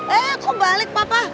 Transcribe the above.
eh kok balik papa